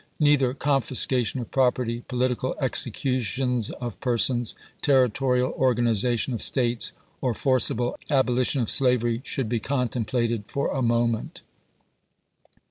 Neither confiscation of prop erty, political executions of persons, territorial organiza tion of States, or forcible abolition of slavery should be contemplated for a moment.